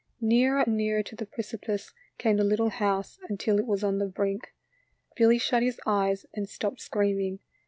Nearer and nearer to the precipice came the little house until it was on the brink. Billy shut his eyes and stopped screaming.